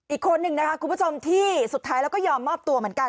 อีกคนนึงนะคะคุณผู้ชมที่สุดท้ายแล้วก็ยอมมอบตัวเหมือนกัน